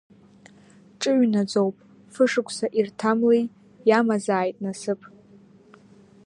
Ҽыҩ наӡоуп, фышықәса ирҭамлеи, иамазааит насыԥ!